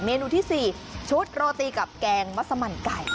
นูที่๔ชุดโรตีกับแกงมัสมันไก่